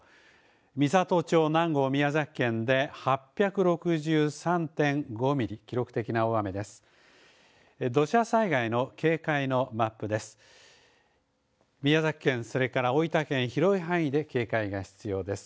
美郷町南郷、宮崎県で８６３．５ミリ、記録的な大雨です。